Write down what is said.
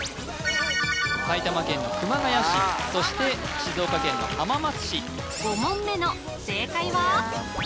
埼玉県の熊谷市そして静岡県の浜松市５問目の正解は？